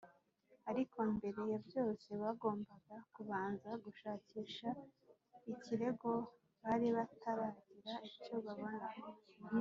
ariko mbere ya byose, bagombaga kubanza gushakisha ikirego bari bataragira icyo babona